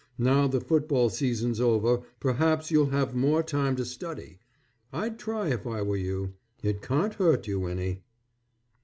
Now the football season's over perhaps you'll have more time to study. I'd try if I were you, it can't hurt you any.